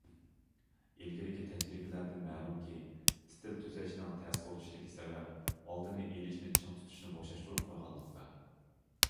ئىلگىرىكى تەجرىبىلەردىن مەلۇمكى، ئىستىل تۈزەشنىڭ تەس بولۇشىدىكى سەۋەب، ئالدىنى ئېلىشنى چىڭ تۇتۇشنى بوشاشتۇرۇپ قويغانلىقتا.